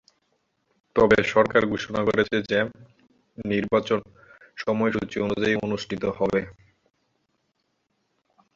তবে সরকার ঘোষণা করেছে যে নির্বাচন সময়সূচি অনুযায়ী অনুষ্ঠিত হবে।